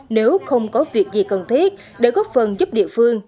nếu không có việc gì cần thiết để góp phần giúp địa phương